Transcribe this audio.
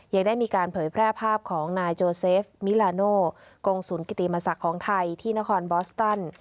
ยังได้มีการเผยแพร่ภาพของนายโจเซฟมิลาโนกงศูนย์กิติมศักดิ์ของไทยที่นครบอสตัน